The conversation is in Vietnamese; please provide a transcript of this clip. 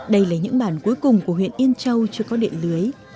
đây là những bản cuối cùng của huyện yên châu chưa có điện lưới